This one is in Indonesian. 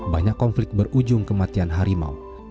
banyak konflik berujung kematian harimau